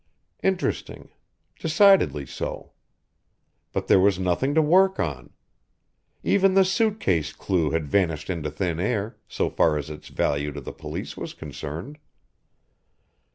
Interesting decidedly so! But there was nothing to work on. Even the suit case clue had vanished into thin air, so far as its value to the police was concerned.